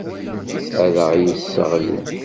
Ad aɣ-yesseɣli.